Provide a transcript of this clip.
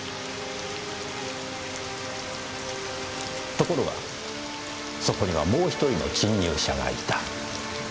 ところがそこにはもう１人の闖入者がいた。